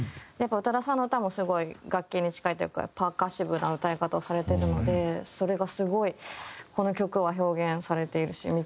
やっぱ宇多田さんの歌もすごい楽器に近いというかパーカッシブな歌い方をされてるのでそれがすごいこの曲は表現されているし